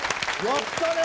やったね！